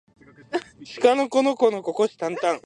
しかのこのこのここしたんたん